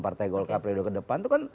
partai golkar periode ke depan